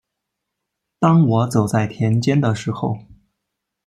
当我走在田间的时候